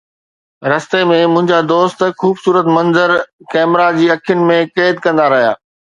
رستي ۾، منهنجا دوست خوبصورت منظر ڪئميرا جي اکين ۾ قيد ڪندا رهيا